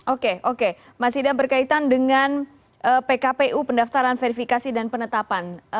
oke oke mas idam berkaitan dengan pkpu pendaftaran verifikasi dan penetapan